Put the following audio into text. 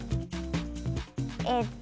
えっと。